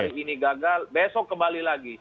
hari ini gagal besok kembali lagi